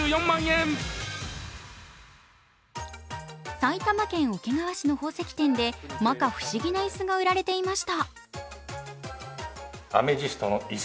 埼玉県桶川市の宝石店でまか不思議な椅子が売られていました。